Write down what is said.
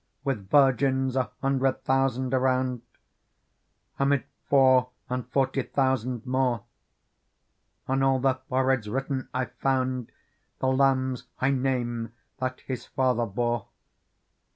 With virgins a hundred thousand around. And four and forty thousand more : On all their foreheads written I found The Lamb's high name, that His father bore.